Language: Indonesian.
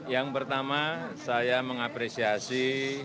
yang pertama saya mengapresiasi